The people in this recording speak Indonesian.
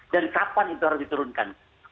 dan kapan itu harus diturunkan